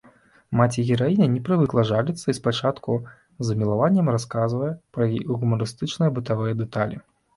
Маці-гераіня не прывыкла жаліцца і спачатку з замілаваннем расказвае пра гумарыстычныя бытавыя дэталі.